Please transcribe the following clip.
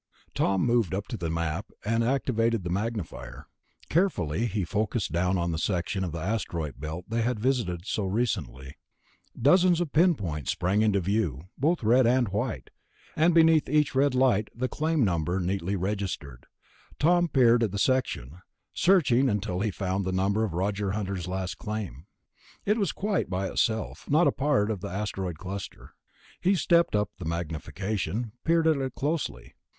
Tom moved up to the Map and activated the magnifier. Carefully he focussed down on the section of the Asteroid Belt they had visited so recently. Dozens of pinpoints sprang to view, both red and white, and beneath each red light the claim number neatly registered. Tom peered at the section, searching until he found the number of Roger Hunter's last claim. It was quite by itself, not a part of an asteroid cluster. He stepped up the magnification, peered at it closely.